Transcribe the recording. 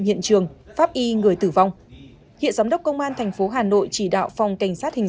hiện trường pháp y người tử vong hiện giám đốc công an thành phố hà nội chỉ đạo phòng cảnh sát hình